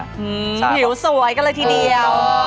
หื้อผิวสวยก็เลยทีเดียว